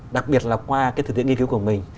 đặc biệt là qua cái thực tiễn nghiên cứu của mình